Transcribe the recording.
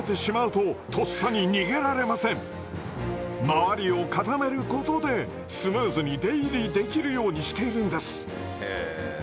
周りを固めることでスムーズに出入りできるようにしているんです。